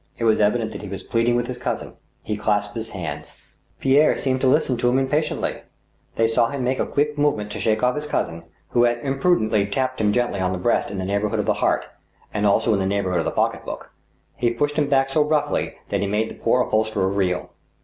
It was evident that he was pleading with his cousin. He clasped his hands. Pierre seemed to listen to him impatiently. They saw him make 22 THE STEEL HAMMER. a quick movement to shake off his cousin, who had imprudently tapped him gently on the breast in the neighborhood of the heart, and also in the neighborhood of the pocket book. He pushed him back so roughly that he made the poor upholsterer reel.